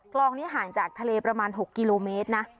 คลองนี้ห่างจากทะเลประมาณ๖กิโลเมตรนะ